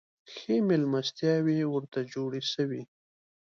ښې مېلمستیاوي ورته جوړي سوې.